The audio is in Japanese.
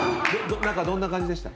中どんな感じでした？